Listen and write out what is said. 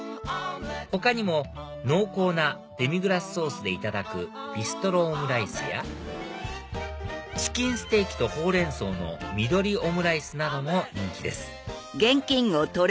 他にも濃厚なデミグラスソースでいただくビストロオムライスやチキンステーキとほうれん草の緑オムライスなども人気です